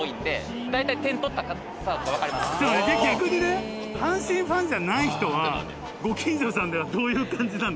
逆にね阪神ファンじゃない人はご近所さんではどういう感じなんですか？